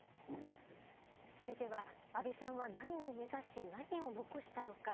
それでは、安倍さんは何を目指し、何を残したのか。